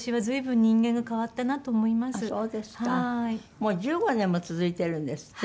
もう１５年も続いてるんですって？